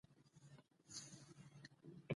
سنگ مرمر د افغانستان د ځمکې د جوړښت نښه ده.